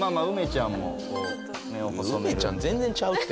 梅ちゃん全然ちゃうって。